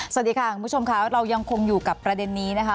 สวัสดีค่ะคุณผู้ชมค่ะเรายังคงอยู่กับประเด็นนี้นะคะ